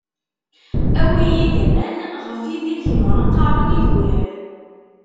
Awi-yi-d aman ɣef ideg mnaqaṛen idurar!